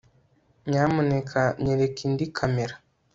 nyamuneka nyereka indi kamera